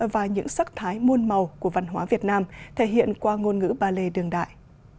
và những sắc thái môn màu của văn hóa việt nam thể hiện qua ngôn ngữ ba lê đường đại